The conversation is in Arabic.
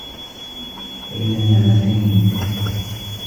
بَيْنَ نِعْمَتَيْنِ